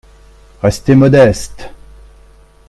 Restez modeste